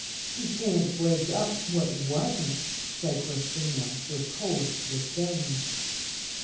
"You can't break up what wasn't," said Chris tina with cold disdain.